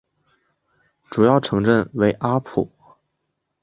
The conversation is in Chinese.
主要城镇为阿普。